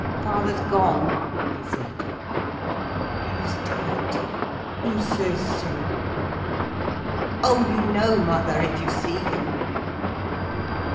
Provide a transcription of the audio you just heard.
"Father's gone," he said. "He's dead? Who says so?" "Oh, you know, mother, if you see him."